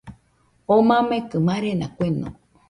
Oo mamekɨ marena kueno